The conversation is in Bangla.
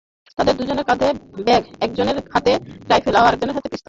তাঁদের দুজনের কাঁধে ব্যাগ, একজনের হাতে রাইফেল এবং আরেকজনের হাতে পিস্তল ছিল।